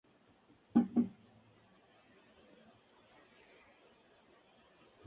Se graduó en ingeniería por la Universidad Federal de Bahía.